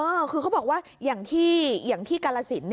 คือเขาบอกว่าอย่างที่กาลสิน